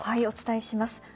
お伝えします。